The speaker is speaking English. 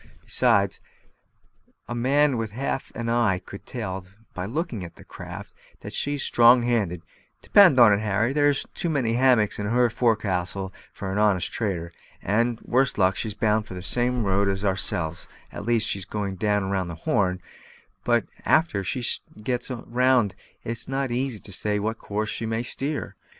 Besides, a man with half an eye could tell by looking at that craft that she's strong handed. Depend on't, Harry, there's too many hammocks in her fo'c'stle for an honest trader. And, worst luck, she's bound the same road as ourselves at least, she's going round the Horn; but a'ter she gets round it's not so easy to say what course she may steer.